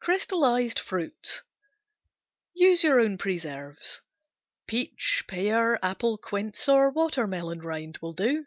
Crystallized Fruits Use your own preserves. Peach, pear, apple, quince or watermelon rind will do.